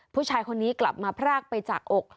ผู้ชายคนนี้กลับมาพรากไปจากอก